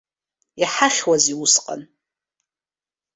Иҳахьуазеи усҟан?